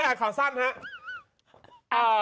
เคยอ่านข่าวสั้นครับ